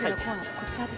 こちらですか？